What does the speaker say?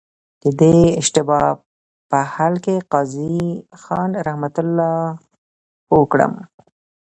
د دې اشتباه په حل کي قاضي خان رحمه الله پوه کړم.